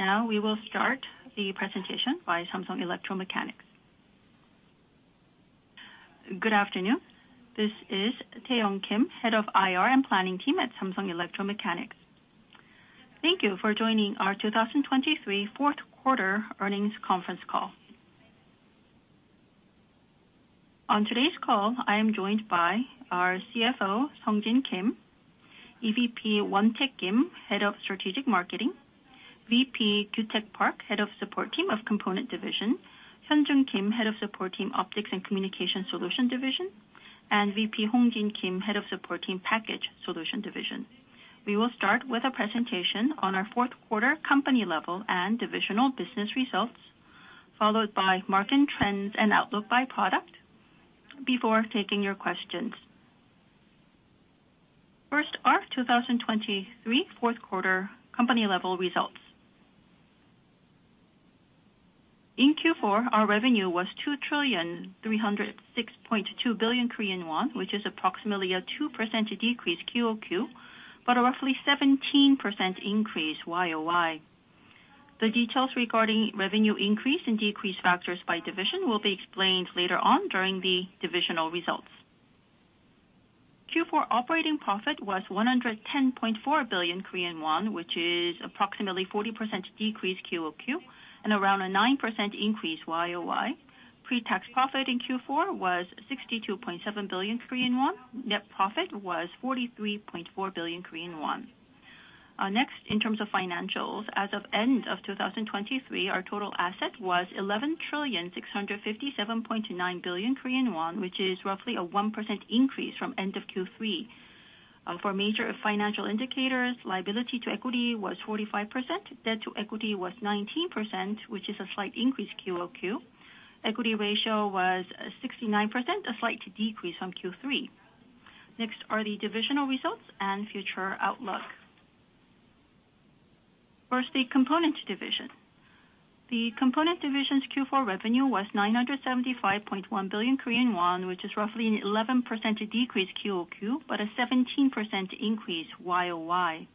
Now we will start the presentation by Samsung Electro-Mechanics. Good afternoon. This is Taiyoung Kim, Head of IR and Planning Team at Samsung Electro-Mechanics. Thank you for joining our 2023 fourth quarter earnings conference call. On today's call, I am joined by our CFO, Sungjin Kim, EVP Won-taek Kim, Head of Strategic Marketing, VP Kyutek Park, Head of Support Team of Component Division, Hyunjun Kim, Head of Support Team, Optics and Communication Solution Division, and VP Hong Jin Kim, Head of Support Team, Package Solution Division. We will start with a presentation on our fourth quarter company level and divisional business results, followed by market trends and outlook by product before taking your questions. First, our 2023 fourth quarter company level results. In Q4, our revenue was 2,306.2 billion Korean won, which is approximately a 2% decrease QoQ, but a roughly 17% increase YoY. The details regarding revenue increase and decrease factors by division will be explained later on during the divisional results. Q4 operating profit was 110.4 billion Korean won, which is approximately 40% decrease QoQ and around a 9% increase YoY. Pre-tax profit in Q4 was 62.7 billion Korean won. Net profit was 43.4 billion Korean won. Next, in terms of financials, as of end of 2023, our total asset was 11,657.9 billion Korean won, which is roughly a 1% increase from end of Q3. For major financial indicators, liability to equity was 45%, debt to equity was 19%, which is a slight increase QoQ. Equity ratio was 69%, a slight decrease from Q3. Next are the divisional results and future outlook. First, the component division. The component division's Q4 revenue was 975.1 billion Korean won, which is roughly an 11% decrease QoQ, but a 17% increase YoY.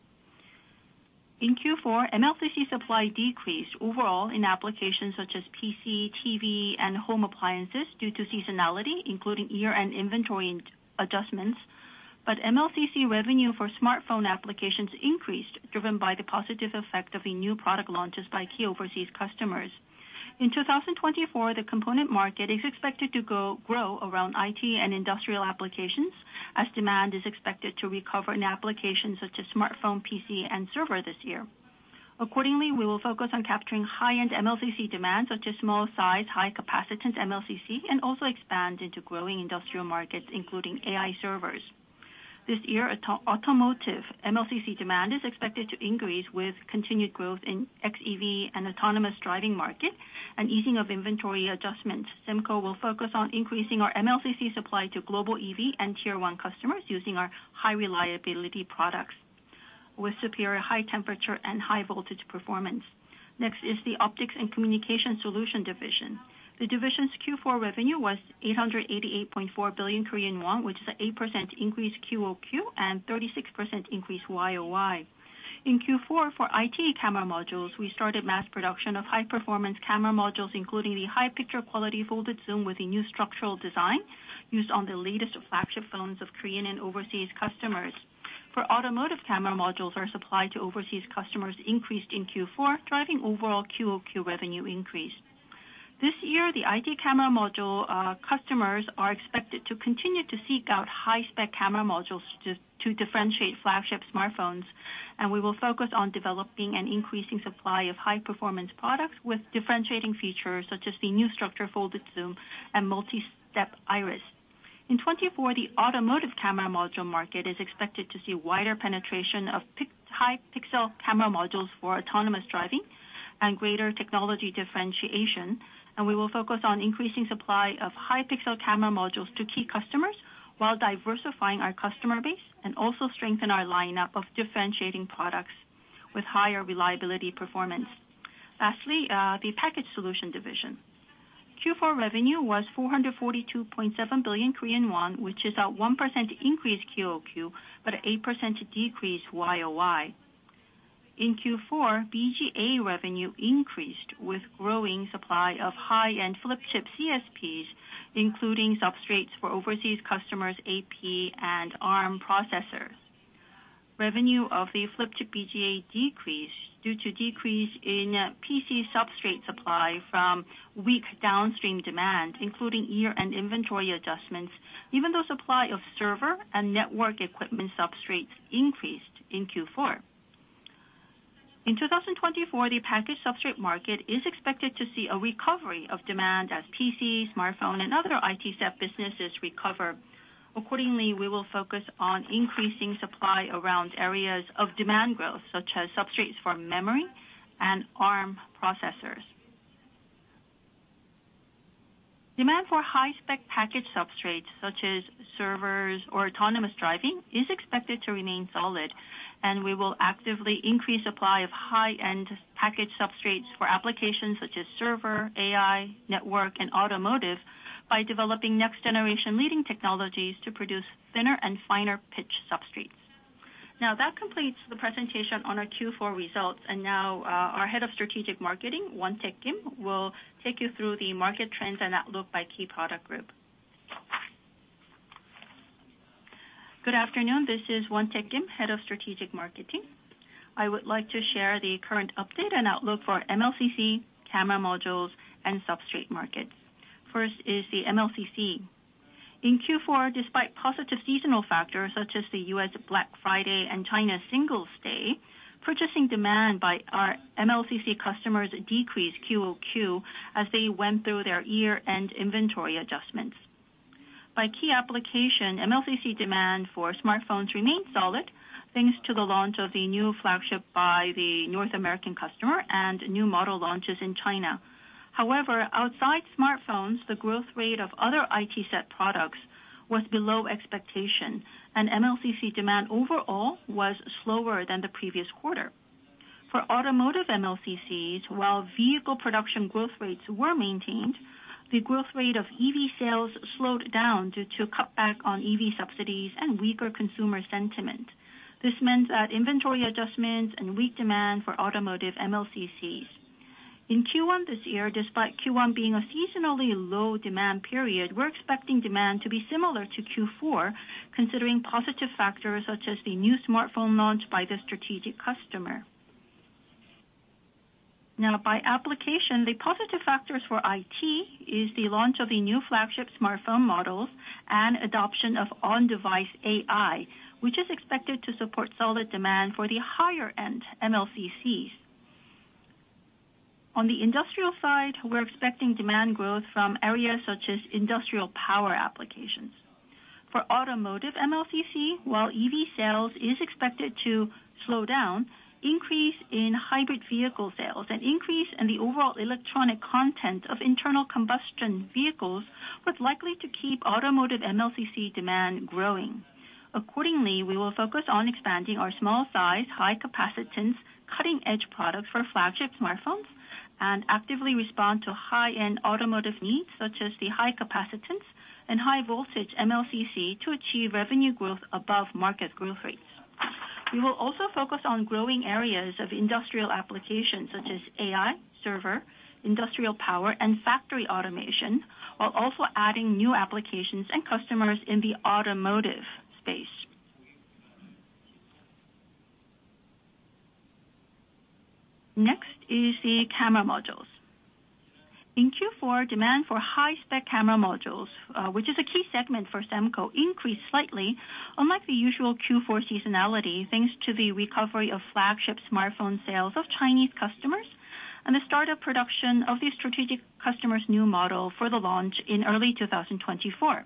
In Q4, MLCC supply decreased overall in applications such as PC, TV, and home appliances due to seasonality, including year-end inventory adjustments. But MLCC revenue for smartphone applications increased, driven by the positive effect of the new product launches by key overseas customers. In 2024, the component market is expected to grow around IT and industrial applications, as demand is expected to recover in applications such as smartphone, PC, and server this year. Accordingly, we will focus on capturing high-end MLCC demands, such as small size, high capacitance MLCC, and also expand into growing industrial markets, including AI servers. This year, automotive MLCC demand is expected to increase with continued growth in xEV and autonomous driving market and easing of inventory adjustments. Semco will focus on increasing our MLCC supply to global EV and Tier One customers using our high reliability products with superior high temperature and high voltage performance. Next is the Optics and Communication Solution division. The division's Q4 revenue was 888.4 billion Korean won, which is an 8% increase QoQ and 36% increase YoY. In Q4 for IT camera modules, we started mass production of high-performance camera modules, including the high picture quality folded zoom with a new structural design used on the latest flagship phones of Korean and overseas customers. For automotive camera modules, our supply to overseas customers increased in Q4, driving overall QoQ revenue increase. This year, the IT camera module, customers are expected to continue to seek out high-spec camera modules to, to differentiate flagship smartphones, and we will focus on developing an increasing supply of high-performance products with differentiating features, such as the new structure folded zoom and multi-step iris. In 2024, the automotive camera module market is expected to see wider penetration of high pixel camera modules for autonomous driving and greater technology differentiation. And we will focus on increasing supply of high pixel camera modules to key customers while diversifying our customer base and also strengthen our lineup of differentiating products with higher reliability performance. Lastly, the package solution division. Q4 revenue was 442.7 billion Korean won, which is a 1% increase QoQ, but an 8% decrease YoY. In Q4, BGA revenue increased with growing supply of high-end flip chip CSPs, including substrates for overseas customers, AP and ARM processors. Revenue of the flip chip BGA decreased due to decrease in PC substrate supply from weak downstream demand, including year-end inventory adjustments, even though supply of server and network equipment substrates increased in Q4. In 2024, the package substrate market is expected to see a recovery of demand as PC, smartphone, and other IT step businesses recover. Accordingly, we will focus on increasing supply around areas of demand growth, such as substrates for memory and ARM processors. Demand for high-spec package substrates, such as servers or autonomous driving, is expected to remain solid, and we will actively increase supply of high-end package substrates for applications such as server, AI, network, and automotive by developing next-generation leading technologies to produce thinner and finer pitch substrates. Now that completes the presentation on our Q4 results, and now, our Head of Strategic Marketing, Won-taek Kim, will take you through the market trends and outlook by key product group. Good afternoon. This is Won-taek Kim, Head of Strategic Marketing. I would like to share the current update and outlook for MLCC, camera modules, and substrate markets. First is the MLCC. In Q4, despite positive seasonal factors such as the U.S. Black Friday and China's Singles' Day, purchasing demand by our MLCC customers decreased QoQ as they went through their year-end inventory adjustments. By key application, MLCC demand for smartphones remained solid, thanks to the launch of the new flagship by the North American customer and new model launches in China. However, outside smartphones, the growth rate of other IT set products was below expectation, and MLCC demand overall was slower than the previous quarter. For automotive MLCCs, while vehicle production growth rates were maintained, the growth rate of EV sales slowed down due to cutback on EV subsidies and weaker consumer sentiment. This meant that inventory adjustments and weak demand for automotive MLCCs. In Q1 this year, despite Q1 being a seasonally low demand period, we're expecting demand to be similar to Q4, considering positive factors such as the new smartphone launch by the strategic customer. Now, by application, the positive factors for IT is the launch of the new flagship smartphone models and adoption of on-device AI, which is expected to support solid demand for the higher-end MLCCs. On the industrial side, we're expecting demand growth from areas such as industrial power applications. For automotive MLCC, while EV sales is expected to slow down, increase in hybrid vehicle sales and increase in the overall electronic content of internal combustion vehicles was likely to keep automotive MLCC demand growing. Accordingly, we will focus on expanding our small size, high capacitance, cutting-edge products for flagship smartphones and actively respond to high-end automotive needs, such as the high capacitance and high voltage MLCC to achieve revenue growth above market growth rates. We will also focus on growing areas of industrial applications, such as AI, server, industrial power, and factory automation, while also adding new applications and customers in the automotive space. Next is the camera modules. In Q4, demand for high-spec camera modules, which is a key segment for Semco, increased slightly, unlike the usual Q4 seasonality, thanks to the recovery of flagship smartphone sales of Chinese customers and the start of production of the strategic customer's new model for the launch in early 2024.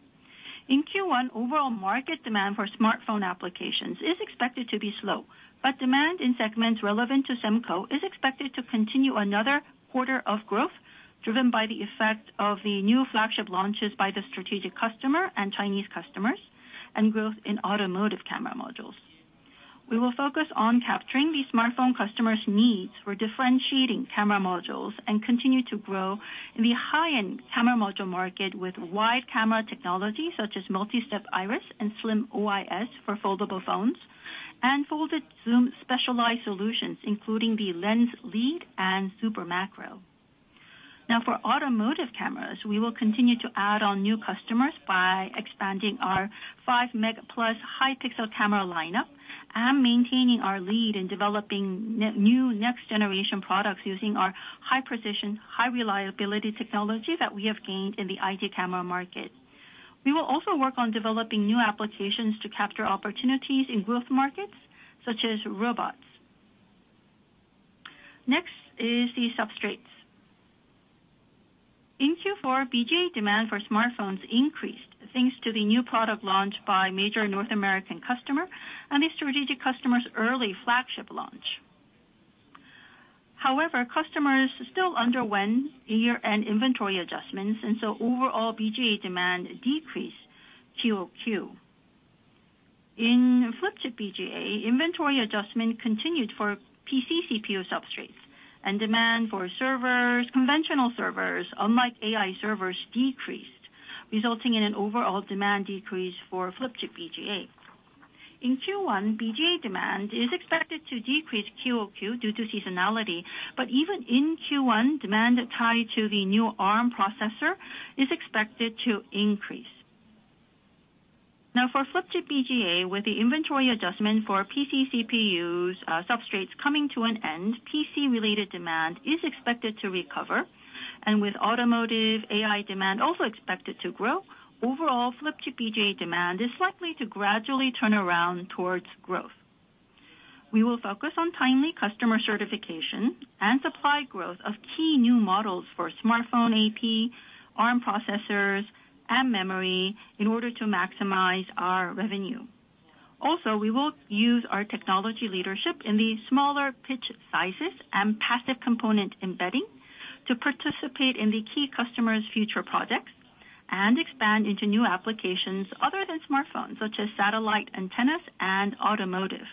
In Q1, overall market demand for smartphone applications is expected to be slow, but demand in segments relevant to Semco is expected to continue another quarter of growth, driven by the effect of the new flagship launches by the strategic customer and Chinese customers, and growth in automotive camera modules. We will focus on capturing the smartphone customers' needs for differentiating camera modules and continue to grow in the high-end camera module market with wide camera technology such as multi-step iris and slim OIS for foldable phones and folded zoom specialized solutions, including the lens lead and super macro. Now, for automotive cameras, we will continue to add on new customers by expanding our 5-megapixel plus high-pixel camera lineup and maintaining our lead in developing new next-generation products using our high-precision, high-reliability technology that we have gained in the IT camera market. We will also work on developing new applications to capture opportunities in growth markets such as robots. Next is the substrates. In Q4, BGA demand for smartphones increased, thanks to the new product launch by major North American customer and the strategic customer's early flagship launch. However, customers still underwent year-end inventory adjustments, and so overall BGA demand decreased QoQ. In flip chip BGA, inventory adjustment continued for PC CPU substrates and demand for servers, conventional servers, unlike AI servers, decreased, resulting in an overall demand decrease for flip chip BGA. In Q1, BGA demand is expected to decrease QoQ due to seasonality, but even in Q1, demand tied to the new ARM processor is expected to increase. Now, for flip chip BGA, with the inventory adjustment for PC CPUs, substrates coming to an end, PC-related demand is expected to recover, and with automotive AI demand also expected to grow, overall flip chip BGA demand is likely to gradually turn around towards growth. We will focus on timely customer certification and supply growth of key new models for smartphone AP, ARM processors, and memory in order to maximize our revenue. Also, we will use our technology leadership in the smaller pitch sizes and passive component embedding to participate in the key customers' future projects and expand into new applications other than smartphones, such as satellite antennas and automotive.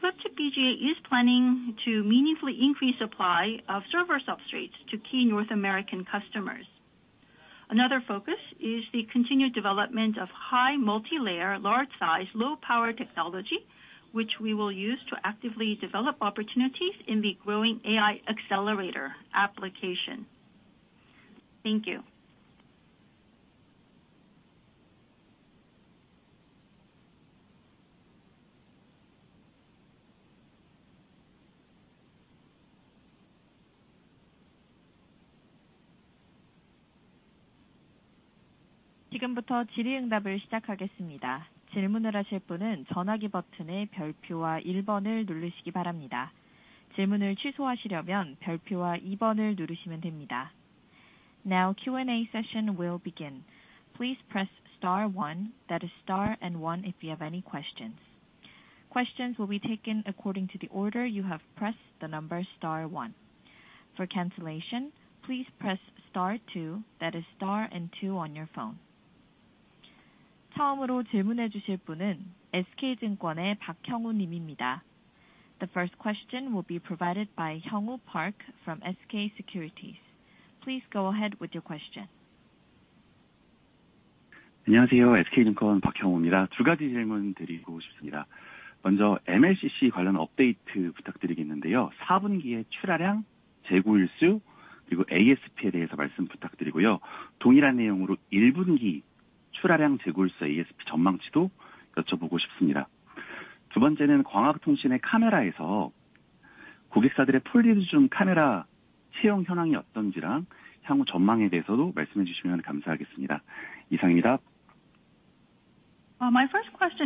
Flip Chip BGA is planning to meaningfully increase supply of server substrates to key North American customers. Another focus is the continued development of high multi-layer, large size, low power technology, which we will use to actively develop opportunities in the growing AI accelerator application. Thank you. Now, Q&A session will begin. Please press star one, that is star and one, if you have any questions. Questions will be taken according to the order you have pressed the number star one. For cancellation, please press star two, that is star and two on your phone. The first question will be provided by Hyungu Park from SK Securities. Please go ahead with your question. My first question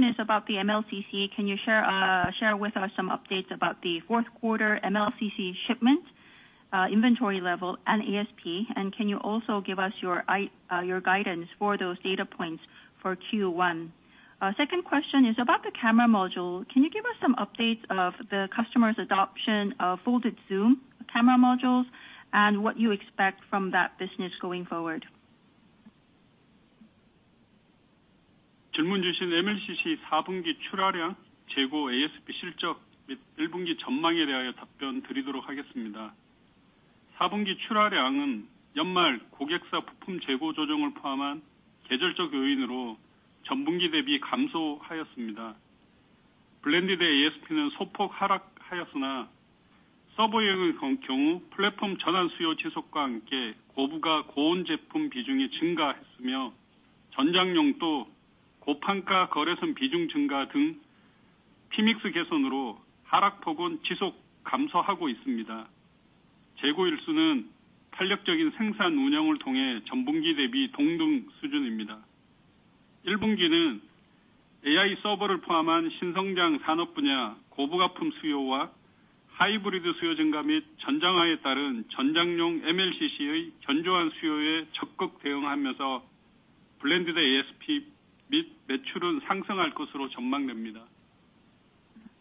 is about the MLCC. Can you share with us some updates about the fourth quarter MLCC shipment, inventory level and ASP? And can you also give us your guidance for those data points for Q1? Second question is about the camera module. Can you give us some updates of the customer's adoption of folded zoom camera modules, and what you expect from that business going forward? Well,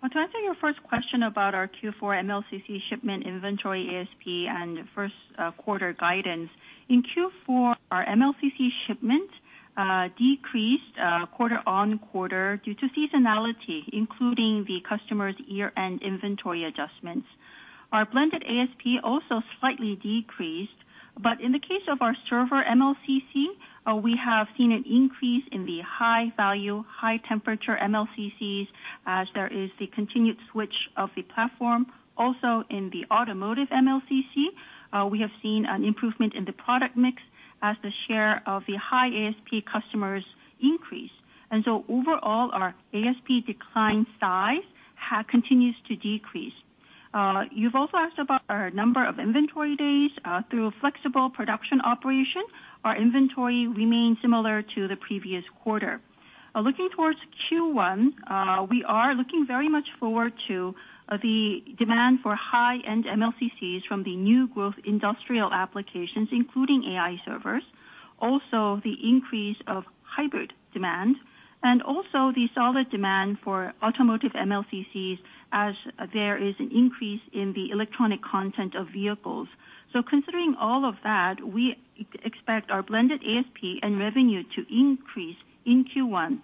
to answer your first question about our Q4 MLCC shipment inventory, ASP and first quarter guidance. In Q4, our MLCC shipment decreased quarter-over-quarter due to seasonality, including the customer's year-end inventory adjustments. Our blended ASP also slightly decreased, but in the case of our server MLCC, we have seen an increase in the high value, high temperature MLCCs as there is the continued switch of the platform. Also, in the automotive MLCC, we have seen an improvement in the product mix as the share of the high ASP customers increase. And so overall, our ASP decline size continues to decrease. You've also asked about our number of inventory days. Through a flexible production operation, our inventory remains similar to the previous quarter. Looking towards Q1, we are looking very much forward to the demand for high-end MLCCs from the new growth industrial applications, including AI servers, also the increase of hybrid demand, and also the solid demand for automotive MLCCs as there is an increase in the electronic content of vehicles. So considering all of that, we expect our blended ASP and revenue to increase in Q1.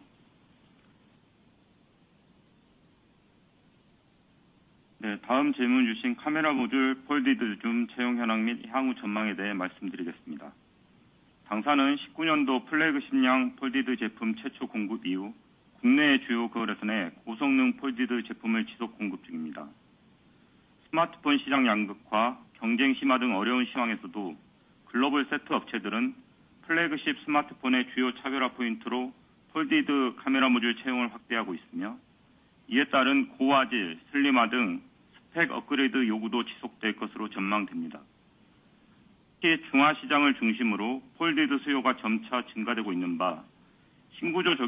Your second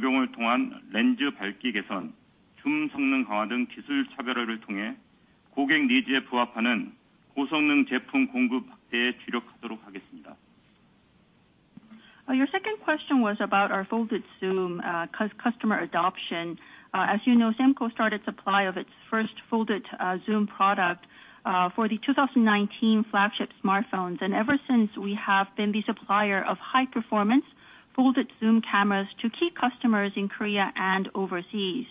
question was about our folded zoom customer adoption. As you know, Semco started supply of its first folded zoom product for the 2019 flagship smartphones. And ever since we have been the supplier of high performance folded zoom cameras to key customers in Korea and overseas.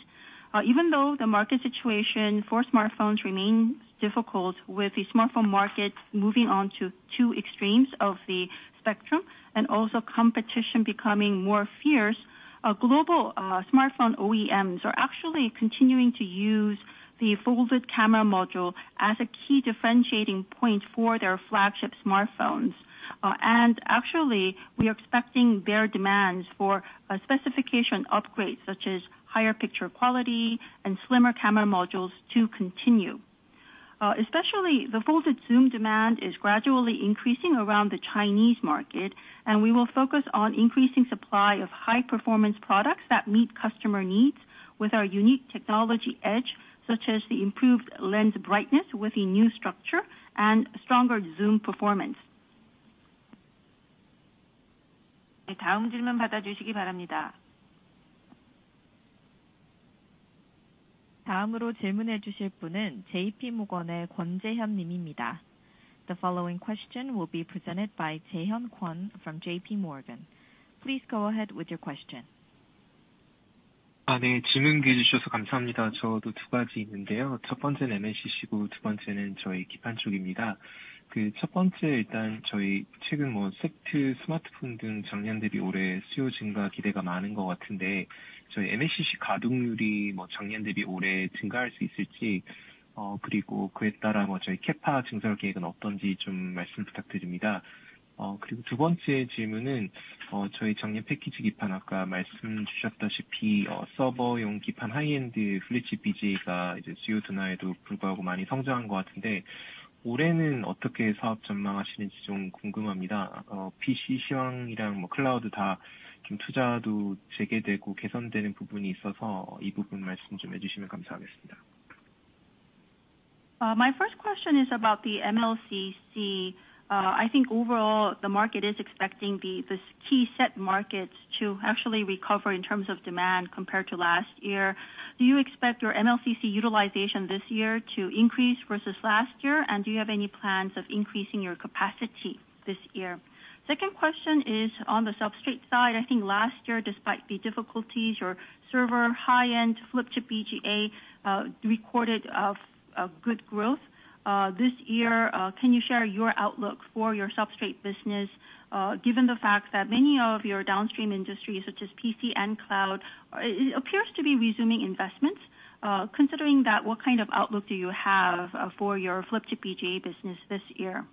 Even though the market situation for smartphones remains difficult, with the smartphone market moving on to two extremes of the spectrum and also competition becoming more fierce, our global smartphone OEMs are actually continuing to use the folded camera module as a key differentiating point for their flagship smartphones. And actually we are expecting their demands for a specification upgrades, such as higher picture quality and slimmer camera modules to continue. Especially the folded zoom demand is gradually increasing around the Chinese market, and we will focus on increasing supply of high performance products that meet customer needs with our unique technology edge, such as the improved lens brightness with a new structure and stronger zoom performance. The following question will be presented by Jay Kwon from J.P. Morgan. Please go ahead with your question. My first question is about the MLCC. I think overall the market is expecting the, this key set markets to actually recover in terms of demand compared to last year. Do you expect your MLCC utilization this year to increase versus last year? And do you have any plans of increasing your capacity this year? Second question is on the substrate side. I think last year, despite the difficulties, your server high-end flip chip BGA recorded a good growth. This year, can you share your outlook for your substrate business, given the fact that many of your downstream industries, such as PC and Cloud, it appears to be resuming investments, considering that, what kind of outlook do you have for your flip chip BGA business this year?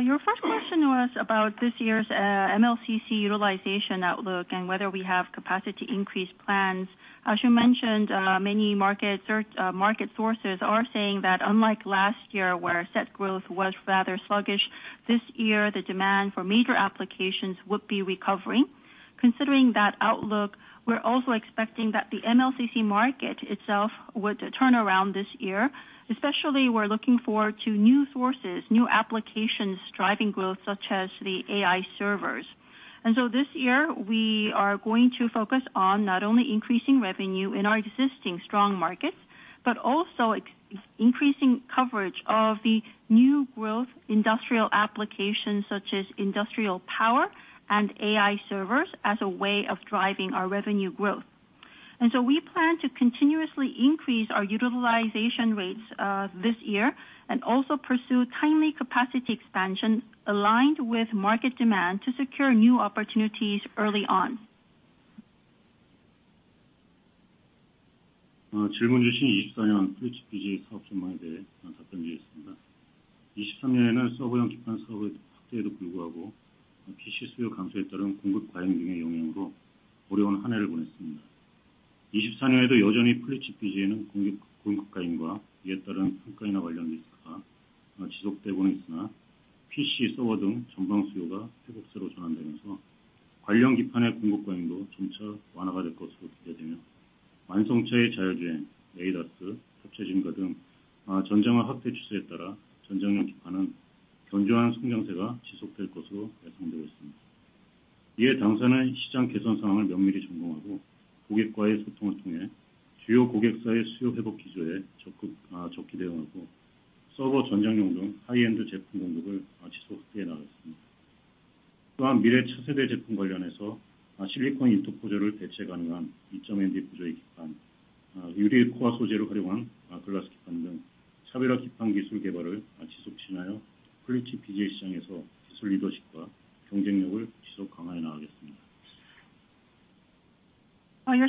Your first question was about this year's MLCC utilization outlook and whether we have capacity increase plans. As you mentioned, many market sources are saying that unlike last year, where set growth was rather sluggish, this year, the demand for major applications would be recovering. Considering that outlook, we're also expecting that the MLCC market itself would turn around this year. Especially, we're looking forward to new sources, new applications, driving growth such as the AI servers. And so this year, we are going to focus on not only increasing revenue in our existing strong markets, but also increasing coverage of the new growth industrial applications, such as industrial power and AI servers, as a way of driving our revenue growth. We plan to continuously increase our utilization rates this year and also pursue timely capacity expansion aligned with market demand to secure new opportunities early on. Uh, your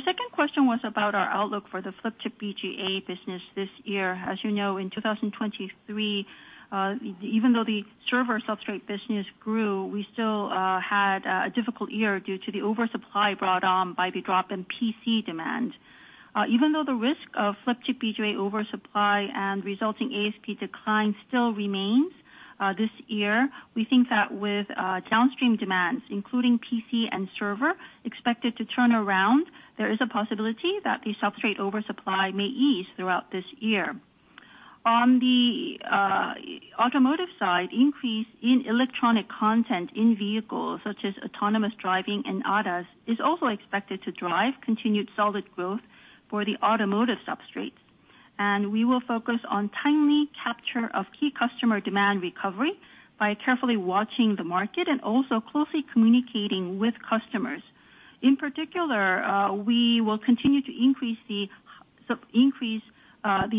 second question was about our outlook for the flip chip BGA business this year. As you know, in 2023, even though the server substrate business grew, we still had a difficult year due to the oversupply brought on by the drop in PC demand. Even though the risk of flip chip BGA oversupply and resulting ASP decline still remains, this year, we think that with downstream demands, including PC and server, expected to turn around, there is a possibility that the substrate oversupply may ease throughout this year. On the automotive side, increase in electronic content in vehicles, such as autonomous driving and ADAS, is also expected to drive continued solid growth for the automotive substrates. We will focus on timely capture of key customer demand recovery by carefully watching the market and also closely communicating with customers. In particular, we will continue to increase the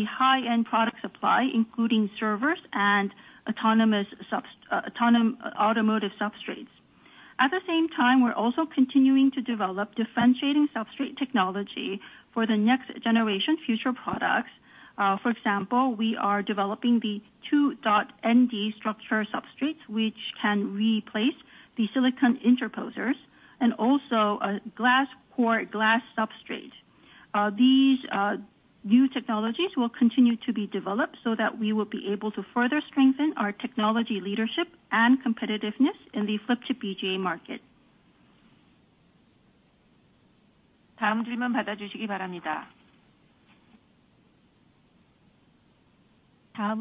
high-end product supply, including servers and automotive substrates. At the same time, we're also continuing to develop differentiating substrate technology for the next generation future products. For example, we are developing the 2.nD structure substrates, which can replace the silicon interposers and also a glass core, glass substrate. These new technologies will continue to be developed so that we will be able to further strengthen our technology leadership and competitiveness in the Flip Chip BGA market. The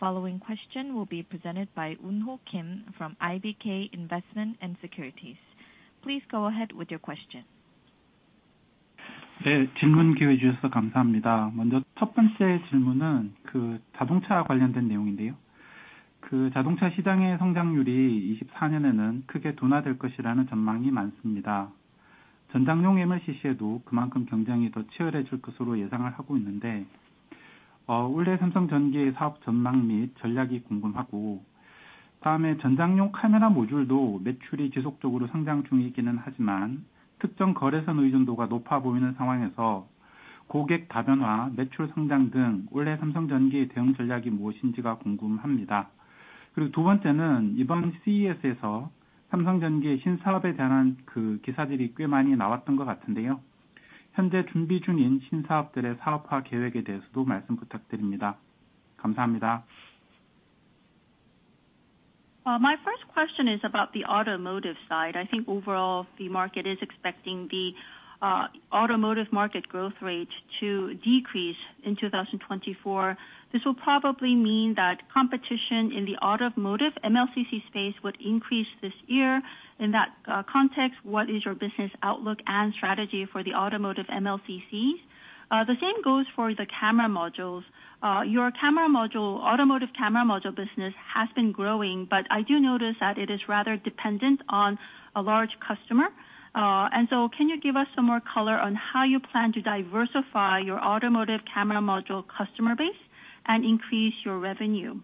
following question will be presented by Woon Ho Kim from IBK Investment & Securities. Please go ahead with your question. Yeah. My first question is about the automotive side. I think overall, the market is expecting the automotive market growth rate to decrease in 2024. This will probably mean that competition in the automotive MLCC space would increase this year. In that context, what is your business outlook and strategy for the automotive MLCC? The same goes for the camera modules. Your camera module, automotive camera module business has been growing, but I do notice that it is rather dependent on a large customer. And so can you give us some more color on how you plan to diversify your automotive camera module customer base and increase your revenue?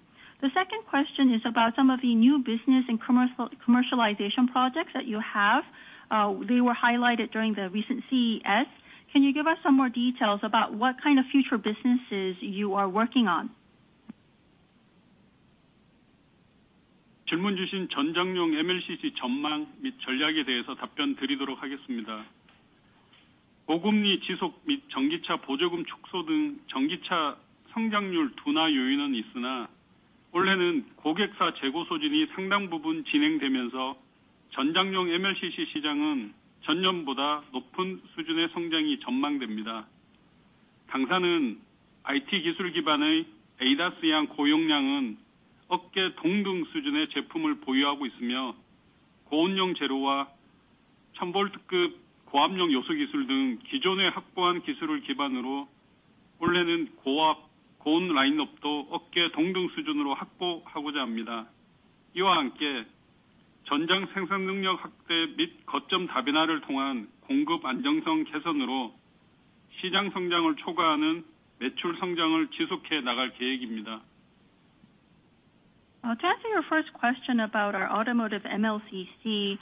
The second question is about some of the new business and commercialization projects that you have. They were highlighted during the recent CES. Can you give us some more details about what kind of future businesses you are working on? To answer your first question about our automotive MLCC,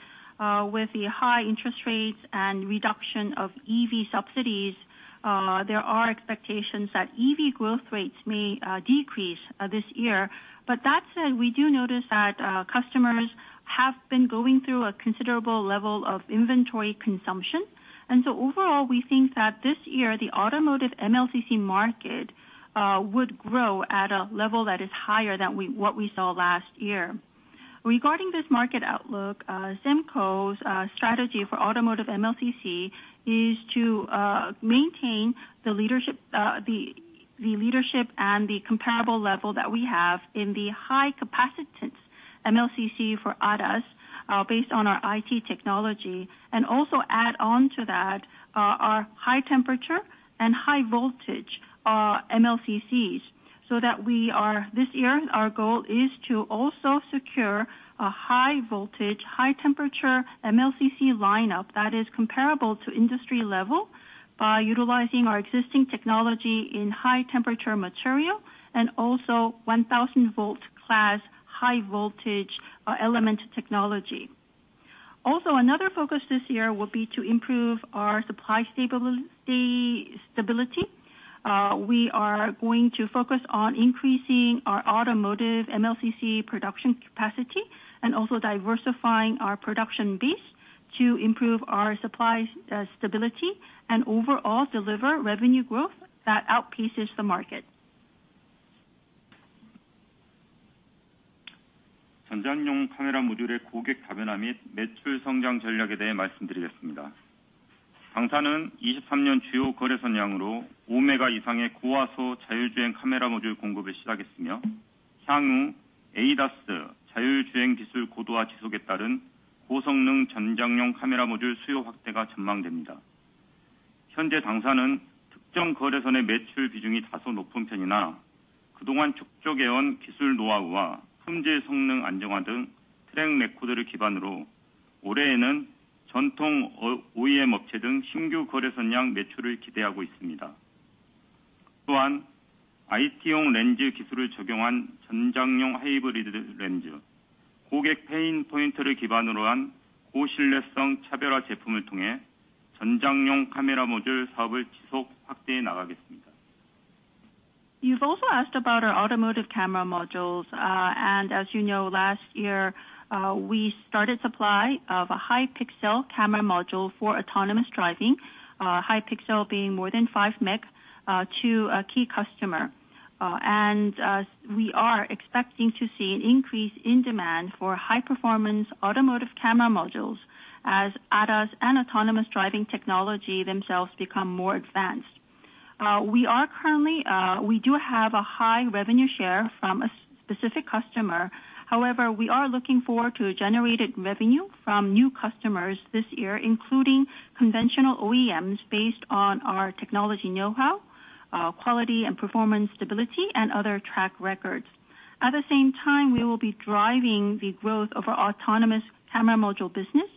with the high interest rates and reduction of EV subsidies, there are expectations that EV growth rates may decrease this year. But that said, we do notice that customers have been going through a considerable level of inventory consumption. And so overall, we think that this year, the automotive MLCC market would grow at a level that is higher than what we saw last year. Regarding this market outlook, Semco's strategy for automotive MLCC is to maintain the leadership, the leadership and the comparable level that we have in the high capacitance-... MLCC for ADAS, based on our IT technology, and also add on to that, our high temperature and high voltage, MLCCs, so that we are, this year, our goal is to also secure a high voltage, high temperature MLCC lineup that is comparable to industry level by utilizing our existing technology in high temperature material and also 1,000-volt class, high voltage, element technology. Also, another focus this year will be to improve our supply stability. We are going to focus on increasing our automotive MLCC production capacity and also diversifying our production base to improve our supply, stability and overall deliver revenue growth that outpaces the market. You've also asked about our automotive camera modules. And as you know, last year, we started supply of a high pixel camera module for autonomous driving, high pixel being more than 5 meg, to a key customer. And, we are expecting to see an increase in demand for high performance automotive camera modules as ADAS and autonomous driving technology themselves become more advanced. We are currently, we do have a high revenue share from a specific customer. However, we are looking forward to a generated revenue from new customers this year, including conventional OEMs, based on our technology know-how, quality and performance stability, and other track records. At the same time, we will be driving the growth of our autonomous camera module business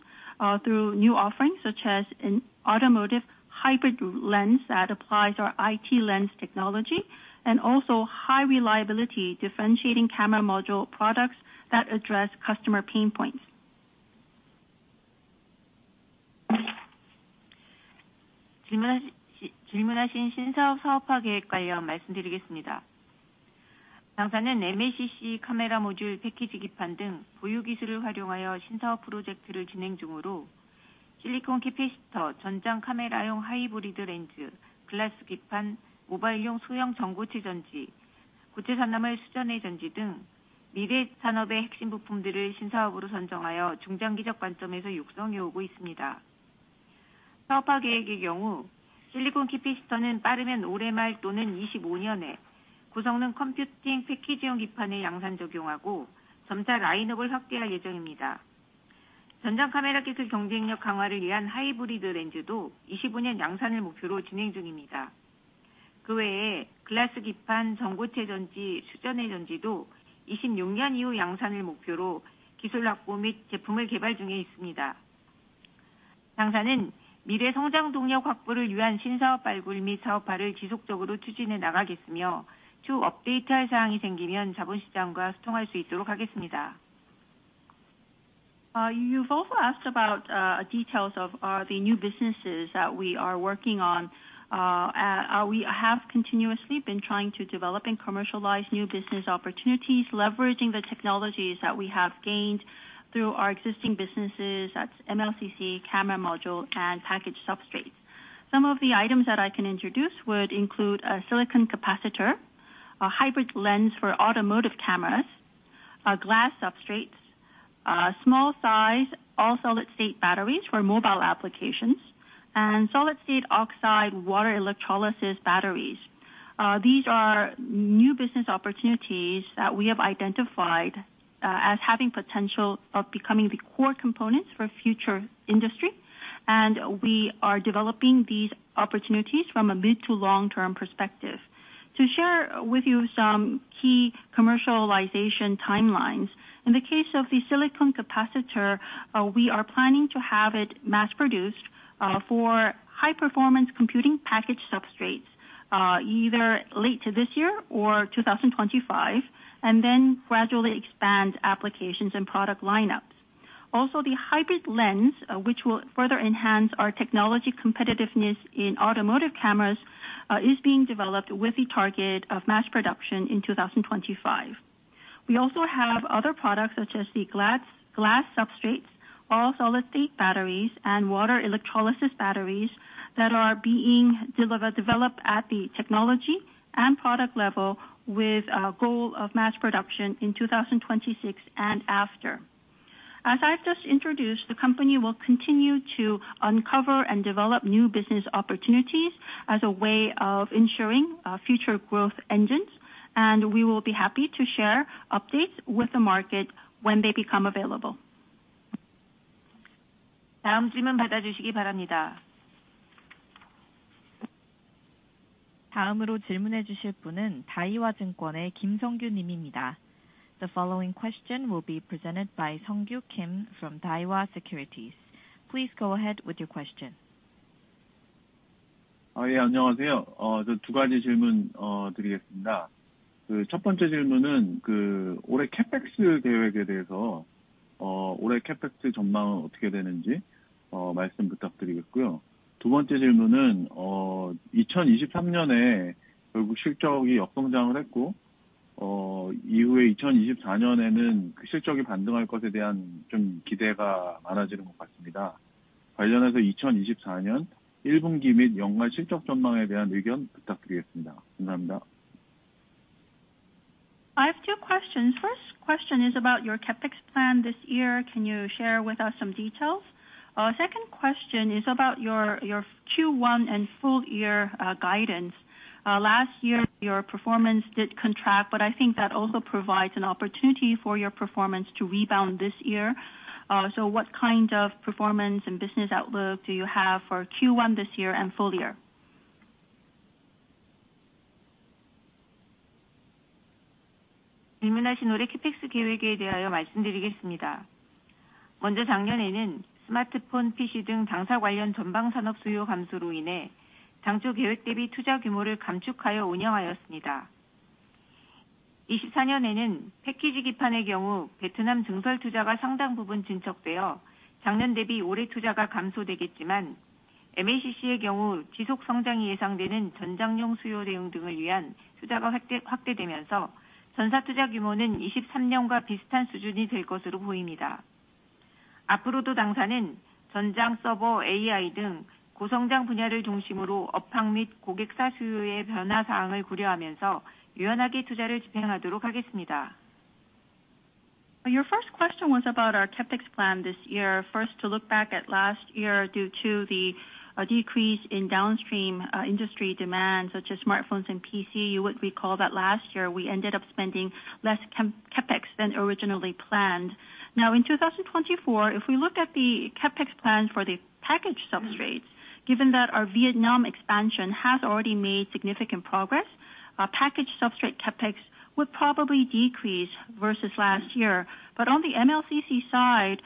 through new offerings, such as an automotive hybrid lens that applies our IT lens technology, and also high reliability, differentiating camera module products that address customer pain points. You've also asked about details of the new businesses that we are working on. We have continuously been trying to develop and commercialize new business opportunities, leveraging the technologies that we have gained through our existing businesses, that's MLCC, camera module, and package substrates. Some of the items that I can introduce would include a silicon capacitor, a hybrid lens for automotive cameras, glass substrates, small size all solid-state batteries for mobile applications, and solid-state oxide water electrolysis batteries. These are new business opportunities that we have identified, as having potential of becoming the core components for future industry, and we are developing these opportunities from a mid- to long-term perspective. To share with you some key commercialization timelines, in the case of the silicon capacitor, we are planning to have it mass-produced, for high performance computing package substrates, either late this year or 2025, and then gradually expand applications and product lineups. Also, the hybrid lens, which will further enhance our technology competitiveness in automotive cameras, is being developed with the target of mass production in 2025. We also have other products, such as the glass, glass substrates, all solid-state batteries, and water electrolysis batteries that are being developed at the technology and product level, with a goal of mass production in 2026 and after.... As I've just introduced, the company will continue to uncover and develop new business opportunities as a way of ensuring future growth engines, and we will be happy to share updates with the market when they become available. The following question will be presented by Sung-Kyu Kim from Daiwa Securities. Please go ahead with your question. Uh, yeah. I have two questions. First question is about your CapEx plan this year. Can you share with us some details? Second question is about your Q1 and full year guidance. Last year, your performance did contract, but I think that also provides an opportunity for your performance to rebound this year. So what kind of performance and business outlook do you have for Q1 this year and full year? Your first question was about our CapEx plan this year. First, to look back at last year, due to the decrease in downstream industry demand, such as smartphones and PC, you would recall that last year we ended up spending less CapEx than originally planned. Now, in 2024, if we look at the CapEx plan for the package substrates, given that our Vietnam expansion has already made significant progress, our package substrate CapEx would probably decrease versus last year. But on the MLCC side,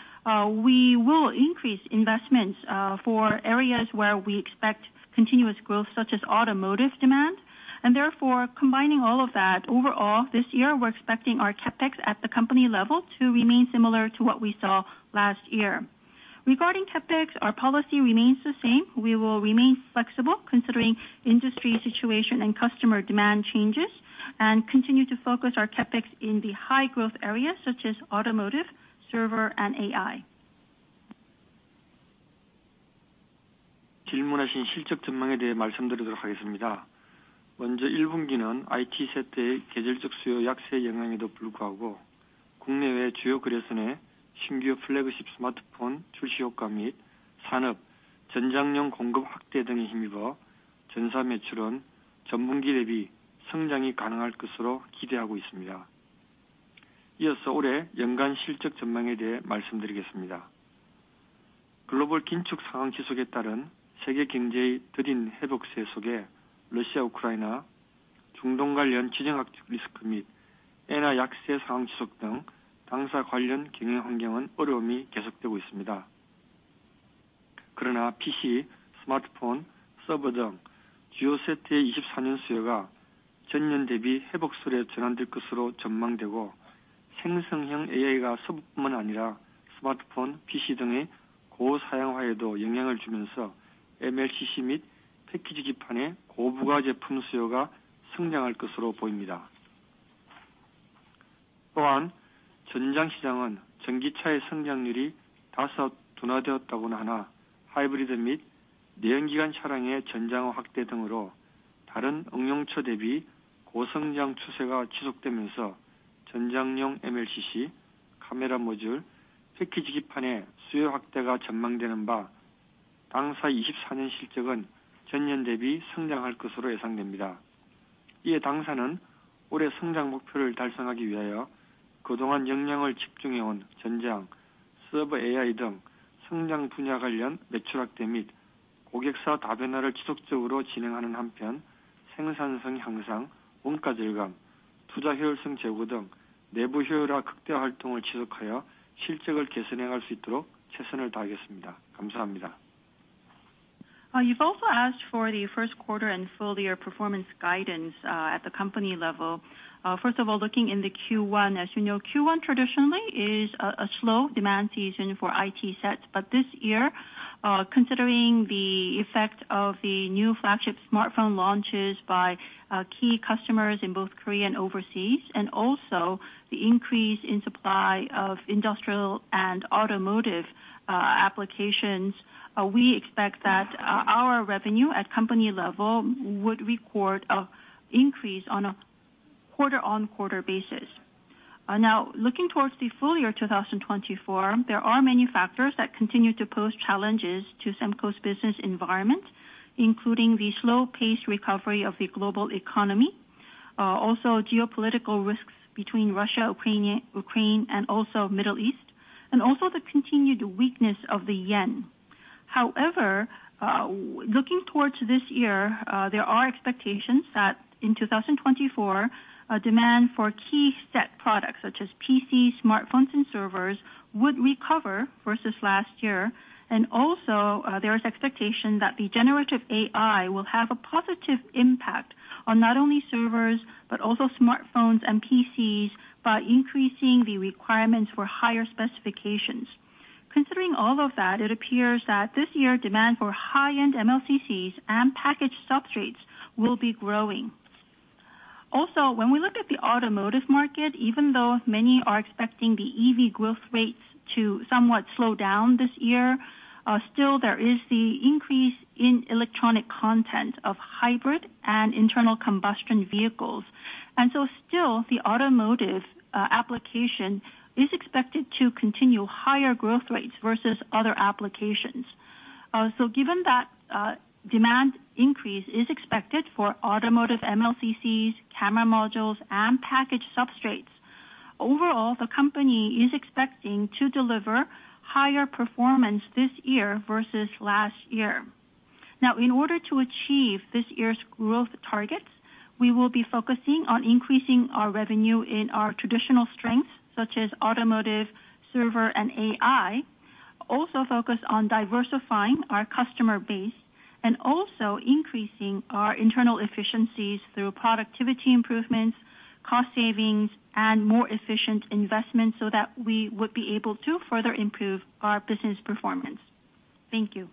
we will increase investments for areas where we expect continuous growth, such as automotive demand, and therefore combining all of that, overall this year we're expecting our CapEx at the company level to remain similar to what we saw last year. Regarding CapEx, our policy remains the same. We will remain flexible considering industry situation and customer demand changes, and continue to focus our CapEx in the high growth areas such as automotive, server, and AI. You've also asked for the first quarter and full year performance guidance at the company level. First of all, looking in the Q1, as you know, Q1 traditionally is a slow demand season for IT sets. But this year, considering the effect of the new flagship smartphone launches by key customers in both Korea and overseas, and also the increase in supply of industrial and automotive applications, we expect that our revenue at company level would record an increase on a quarter-over-quarter basis. Now looking towards the full year 2024, there are many factors that continue to pose challenges to Semco's business environment, including the slow paced recovery of the global economy, also geopolitical risks between Russia, Ukraine, and also Middle East, and also the continued weakness of the Japanese yen. However, looking towards this year, there are expectations that in 2024, a demand for key set products such as PCs, smartphones, and servers, would recover versus last year. And also, there is expectation that the generative AI will have a positive impact on not only servers, but also smartphones and PCs, by increasing the requirements for higher specifications. Considering all of that, it appears that this year, demand for high-end MLCCs and packaged substrates will be growing. Also, when we look at the automotive market, even though many are expecting the EV growth rates to somewhat slow down this year, still there is the increase in electronic content of hybrid and internal combustion vehicles. And so still, the automotive application is expected to continue higher growth rates versus other applications. So given that, demand increase is expected for automotive MLCCs, camera modules, and packaged substrates. Overall, the company is expecting to deliver higher performance this year versus last year. Now, in order to achieve this year's growth targets, we will be focusing on increasing our revenue in our traditional strengths, such as automotive, server, and AI. Also focus on diversifying our customer base and also increasing our internal efficiencies through productivity improvements, cost savings, and more efficient investments, so that we would be able to further improve our business performance. Thank you.